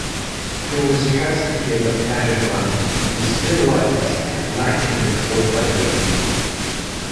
Иузҳәазҭгьы абарҭ ажәақәа, издыруадаз лаџьал иахурԥаргьы.